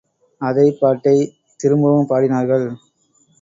அதே பாட்டைத் திரும்பவும் பாடினார்கள்.